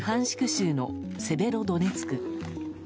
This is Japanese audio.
州のセベロドネツク。